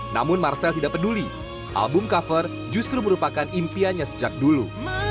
namun marcel tidak peduli album cover justru merupakan impiannya sejak dulu